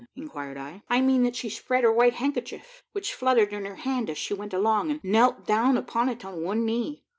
inquired I. "I mean that she spread her white handkerchief, which fluttered in her hand as she went along, and knelt down upon it on one knee.